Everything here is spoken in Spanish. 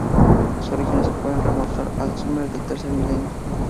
Sus orígenes se pueden remontar al Sumer del tercer milenio.